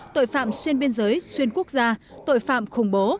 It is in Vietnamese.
tội phạm xuyên biên giới xuyên quốc gia tội phạm khủng bố